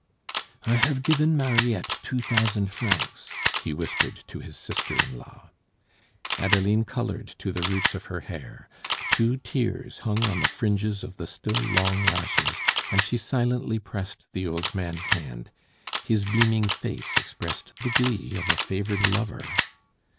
"I have given Mariette two thousand francs," he whispered to his sister in law. Adeline colored to the roots of her hair. Two tears hung on the fringes of the still long lashes, and she silently pressed the old man's hand; his beaming face expressed the glee of a favored lover.